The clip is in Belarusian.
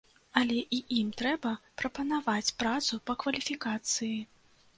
Але і ім трэба прапанаваць працу па кваліфікацыі.